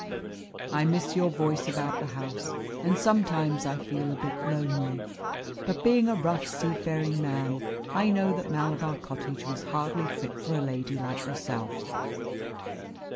I miss your voice about the house, and sometimes I feel a bit lonely, but being a rough seafaring man I know that Malabar Cottage was hardly fit for a lady like yourself.